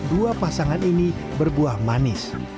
dua pasangan ini berbuah manis